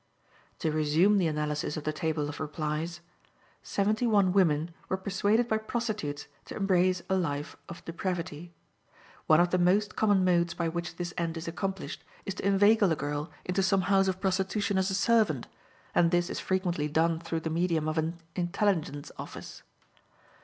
To resume the analysis of the table of replies: Seventy one women were persuaded by prostitutes to embrace a life of depravity. One of the most common modes by which this end is accomplished is to inveigle a girl into some house of prostitution as a servant, and this is frequently done through the medium of an intelligence office.